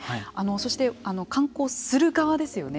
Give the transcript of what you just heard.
そして観光する側ですよね。